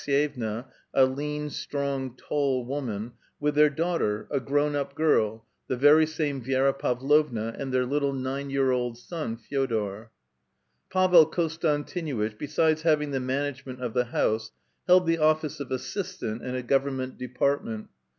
wife Marya Aleks^yevna, a lean, strong, tall woman, with their daiigliter, a grown up girl, the very bame Vi6ra Pavlovna, and their little uine vear old son Fe6dor. Pavel Konstantinuitch, bi'side having the management of the house, held the otBee of assistant {stoloncUchalnik) in a government department.